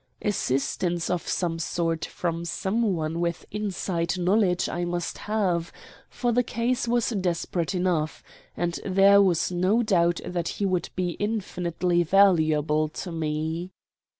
Assistance of some sort from some one with inside knowledge I must have, for the case was desperate enough; and there was no doubt that he would be infinitely valuable to me.